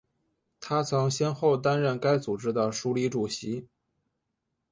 她曾先后担任该组织的署理主席。